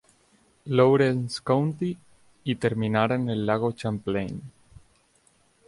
Lawrence County, y terminara en el lago Champlain.